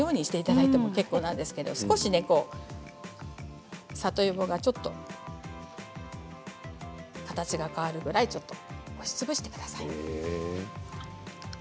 もちろん形はお好きなようにしていただいても結構なんですけれど里芋がちょっと形が変わるぐらい押しつぶしてください。